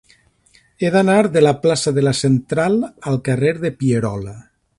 He d'anar de la plaça de la Central al carrer de Pierola.